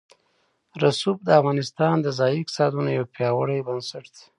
رسوب د افغانستان د ځایي اقتصادونو یو پیاوړی بنسټ دی.